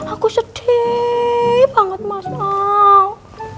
aku sedih banget mas al